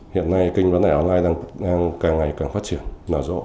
hiện nay kênh bán lẻ online đang càng ngày càng phát triển